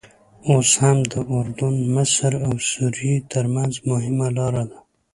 اوس هم د اردن، مصر او سوریې ترمنځ مهمه لاره ده.